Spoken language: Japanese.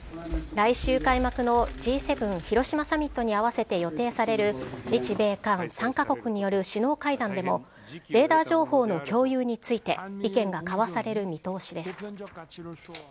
来週開幕のＧ７広島サミットに合わせて予定される、日米韓３か国による首脳会談でも、レーダー情報の共有について意見が交わされる見通しです。